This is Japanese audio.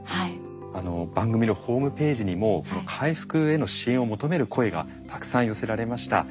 番組のホームページにも回復への支援を求める声がたくさん寄せられました。